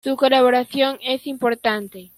Su colaboración es importante.